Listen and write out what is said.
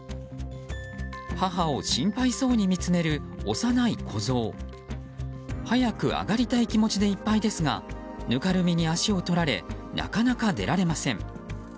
母を心配そうに見つめる幼い子ゾウ。早く上がりたい気持ちでいっぱいですがぬかるみに足を取られなかなか出られません。